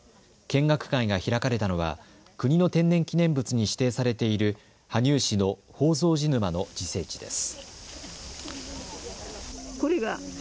見学会が開かれたのは国の天然記念物に指定されている羽生市の宝蔵寺沼の自生地です。